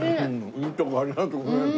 いいとこありがとうございます。